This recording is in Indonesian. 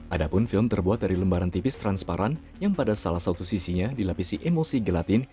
ada pun film terbuat dari lembaran tipis transparan yang pada salah satu sisinya dilapisi emosi gelatin